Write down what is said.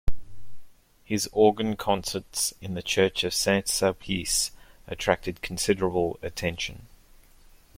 His organ concerts in the church of Saint Sulpice attracted considerable attention.